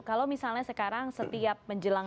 kalau misalnya sekarang setiap menjelang